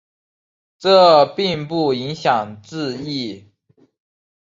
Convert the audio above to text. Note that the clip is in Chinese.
这并不影响字义。